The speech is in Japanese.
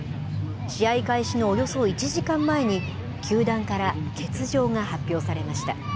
試合開始のおよそ１時間前に、球団から欠場が発表されました。